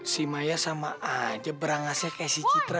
si maya sama aja berangasnya kayak si citra